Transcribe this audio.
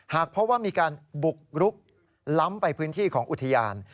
หากพบว่ามีการบุกรุกล้ำไปพื้นที่ของอุทยาน